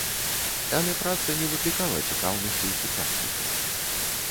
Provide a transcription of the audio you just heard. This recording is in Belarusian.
Але праца не выклікала цікаўнасці ў сучаснікаў.